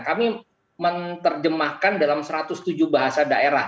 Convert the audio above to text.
kami menerjemahkan dalam satu ratus tujuh bahasa daerah